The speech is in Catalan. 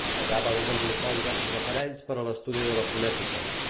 Allà va desenvolupar diversos aparells per a l'estudi de la fonètica.